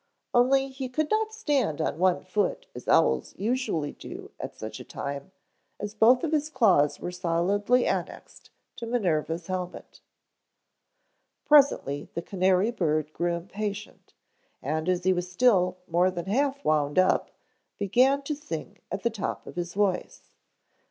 Only he could not stand on one foot as owls usually do at such a time as both of his claws were solidly annexed to Minerva's helmet. Presently the canary bird grew impatient and as he was still more than half wound up began to sing at the top of his voice.